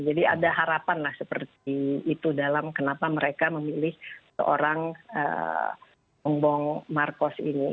jadi ada harapan lah seperti itu dalam kenapa mereka memilih seorang bong bong marcos ini